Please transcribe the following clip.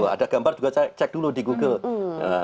ada gambar juga saya cek dulu di google